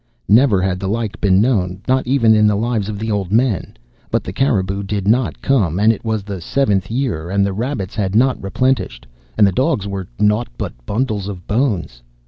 Never had the like been known, not even in the lives of the old men. But the caribou did not come, and it was the seventh year, and the rabbits had not replenished, and the dogs were naught but bundles of bones.